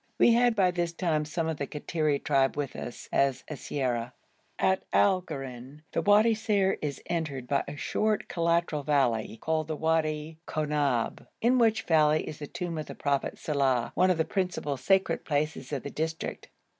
We had by this time some of the Kattiri tribe with us as siyara. At Al Garun the Wadi Ser is entered by a short collateral valley called the Wadi Khonab, in which valley is the tomb of the prophet Saleh, one of the principal sacred places of the district.